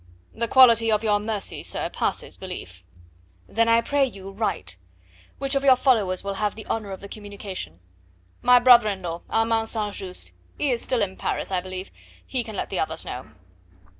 "The quality of your mercy, sir, passes belief." "Then I pray you write. Which of your followers will have the honour of the communication?" "My brother in law, Armand St. Just; he is still in Paris, I believe. He can let the others know."